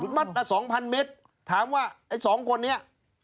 หมัดแต่๒๐๐๐เม็ดถามว่าไอ้๒คนนี้